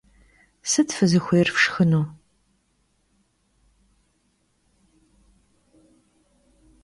Sıt fızıxuêyr fşşxınu?